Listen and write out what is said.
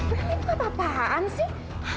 pernah nggak apa apaan sih